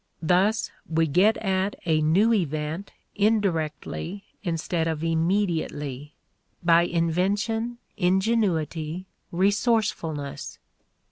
Thus we get at a new event indirectly instead of immediately by invention, ingenuity, resourcefulness.